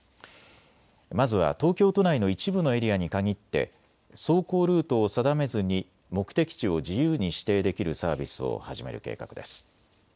まずは東京都内の一部のエリアに限って走行ルートを定めずに目的地を自由に指定できるサービスを始める計画です。